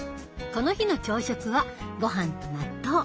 この日の朝食はご飯と納豆。